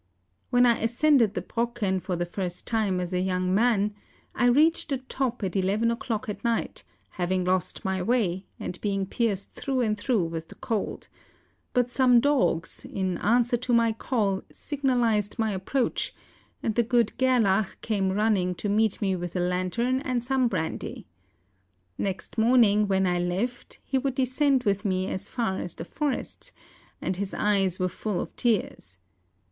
When I ascended the Brocken for the first time as a young man, I reached the top at eleven o'clock at night, having lost my way, and being pierced through and through with the cold ; but some dogs, in answer to my call, signalised my approach, and the good Gerlach came running to meet me with a lantern and some brandy. Next morning, when I left, he would descend with me as far as the forests, and his eyes were full of tears.